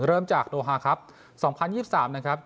เริ่มจากโนฮาครับสองพันยี่สิบสามนะครับ